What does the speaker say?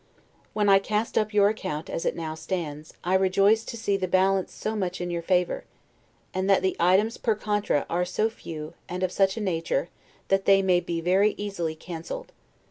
When I cast up your account as it now stands, I rejoice to see the balance so much in your favor; and that the items per contra are so few, and of such a nature, that they may be very easily cancelled.